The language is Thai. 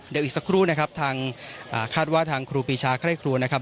เดี๋ยวอีกสักครู่นะครับทางคาดว่าทางครูปีชาใคร่ครัวนะครับ